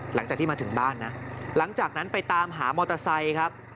หลังจากที่มาถึงบ้านนะหลังจากนั้นไปตามหามอเตอร์ไซค์ครับ